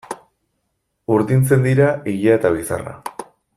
Urdintzen dira ilea eta bizarra.